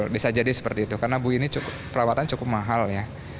bisa jadi seperti itu karena bui ini cukup perawatan cukup mahal ya